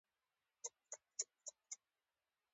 د زړه د پیاوړتیا لپاره باید څه شی وخورم؟